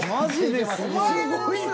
すごいね。